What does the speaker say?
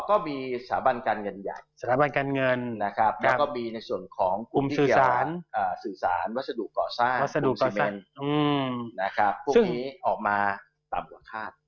ก็มีสถาบันการเงินใหญ่และก็มีในส่วนของกลุ่มสื่อสารสื่อสารวัสดุก่อสร้างวัสดุก่อสรรค์พวกนี้ออกมาต่ำกว่าคาด